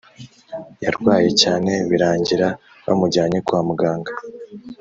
yarwaye cyane birangira bamujyana kwa muganga